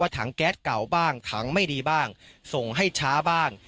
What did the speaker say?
ถังแก๊สเก่าบ้างถังไม่ดีบ้างส่งให้ช้าบ้าง